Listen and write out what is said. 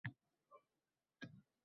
Guruhda Oltinoy, goʻzal sheʼr yaratibsiz